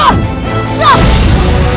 kamu mengamukan pembicara empat